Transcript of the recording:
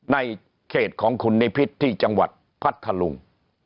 ในเขตของคุณนิพิษที่จังหวัดพัทธลุง